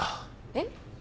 えっ？